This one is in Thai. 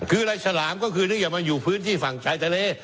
คืออะไรฉลามก็คือนึกอย่ามาอยู่พื้นที่ฝั่งชายทะเล